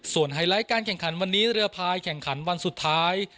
ไฮไลท์การแข่งขันวันนี้เรือพายแข่งขันวันสุดท้าย